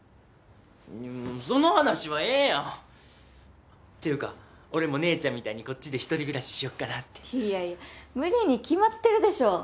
いやその話はええやんっていうか俺も姉ちゃんみたいにこっちで一人暮らししよっかなっていやいや無理に決まってるでしょ